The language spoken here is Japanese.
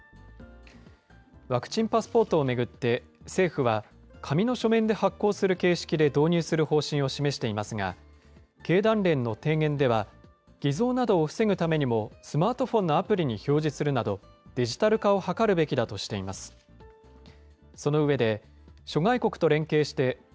ワクチンパスポートを巡って、政府は紙の書面で発行する形式で導入する方針を示していますが、経団連の提言では偽造などを防ぐためにも、スマートフォンのアプリに表示するなどデジタル化を図るべきだとしています。